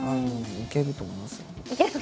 「いけると思います」。